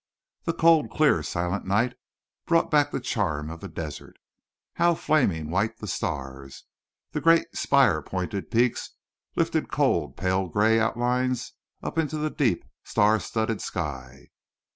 The cold, clear, silent night brought back the charm of the desert. How flaming white the stars! The great spire pointed peaks lifted cold pale gray outlines up into the deep star studded sky.